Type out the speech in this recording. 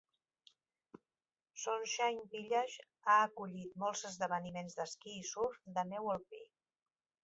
Sunshine Village ha acollit molts esdeveniments d'esquí i surf de neu alpí.